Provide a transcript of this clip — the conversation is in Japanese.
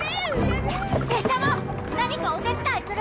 拙者も何かお手伝いする！